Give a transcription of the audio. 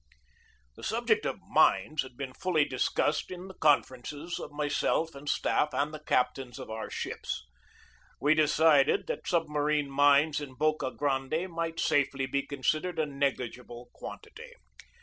This subject of mines had been fully discussed in the conferences of myself and staff and the captains of our ships. We decided that submarine mines in Boca Grande might safely be considered a negligible quantity.